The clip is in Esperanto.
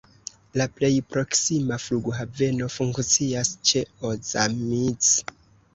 La plej proksima flughaveno funkcias ĉe Ozamiz.